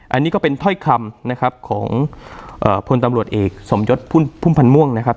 อันนี้ก็เป็นถ้อยคำนะครับของพลตำรวจเอกสมยศพุ่มพันธ์ม่วงนะครับ